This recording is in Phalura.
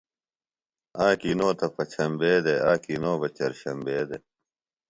آکی نو تہ پچھمبے دےۡ آکی نو بہ چرچھمبے دےۡ